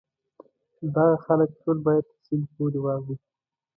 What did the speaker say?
دغه خلک ټول باید تر سیند پورې واوړي.